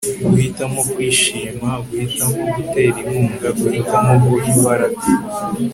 guhitamo kwishima, guhitamo gutera inkunga, guhitamo guha imbaraga